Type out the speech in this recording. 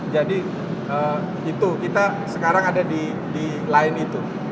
jadi itu kita sekarang ada di line itu